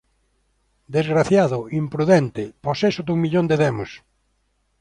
Desgraciado, imprudente, poseso dun millón de demos!